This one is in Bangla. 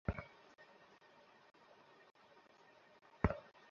অ্যাডামস অবশ্য বললেন, ইমপিচেবল অফেন্স কী, সেটা কংগ্রেসই ঠিক করে থাকে।